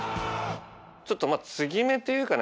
ちょっとまあ継ぎ目というかね